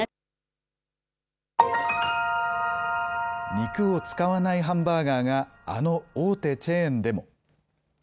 肉を使わないハンバーガーがあの大手チェーンでも。